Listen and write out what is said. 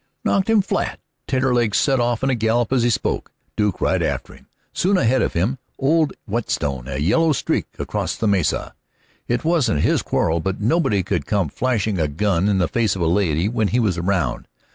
"Knocked him flat!" Taterleg set off in a gallop as he spoke, the Duke right after him, soon ahead of him, old Whetstone a yellow streak across the mesa. It wasn't his quarrel, but nobody could come flashing a gun in the face of a lady when he was around.